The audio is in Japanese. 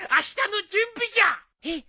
えっ？